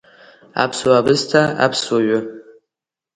Аԥсуа бысҭа, аԥсуа ҩы…